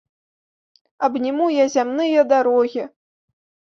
Абніму я зямныя дарогі.